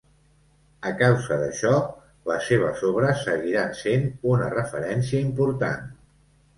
A causa d'això, les seves obres seguiran sent una referència important.